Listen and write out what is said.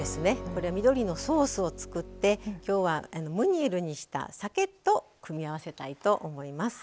これ緑のソースを作って今日はムニエルにしたさけと組み合わせたいと思います。